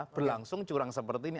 berlangsung curang seperti ini